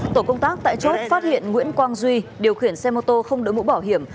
tổ công tác tại chốt phát hiện nguyễn quang duy điều khiển xe mô tô không đối mũ bảo hiểm